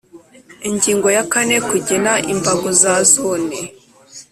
Ingingo ya kane Kugena imbago za Zone